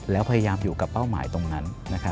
แล้วพยายามอยู่กับเป้าหมายตรงนั้น